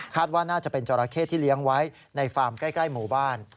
ว่าน่าจะเป็นจราเข้ที่เลี้ยงไว้ในฟาร์มใกล้หมู่บ้าน